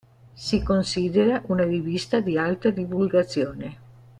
Si considera una rivista "di alta divulgazione".